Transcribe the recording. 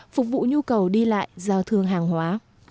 phục vụ nhu cầu đi lại giao thương hàng hóa